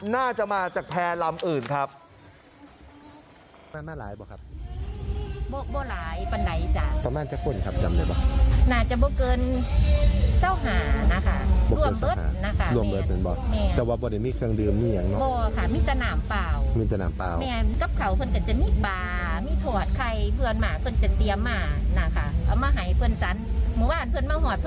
น่าจะมาจากแพร่ลำอื่นครับ